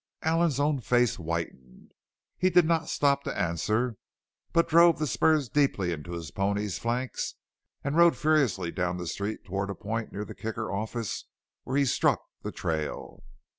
Allen's own face whitened. He did not stop to answer but drove the spurs deep into his pony's flanks and rode furiously down the street toward a point near the Kicker office where he struck the trail.